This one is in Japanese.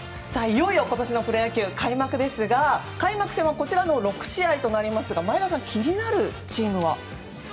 いよいよ今年のプロ野球開幕ですが開幕戦はこちらの６試合となりますが前田さん、気になるチームは。